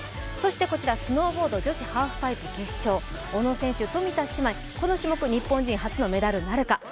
そしてスノーボード女子ハーフパイプ決勝、小野選手、冨田姉妹、この種目日本初のメダルなるか。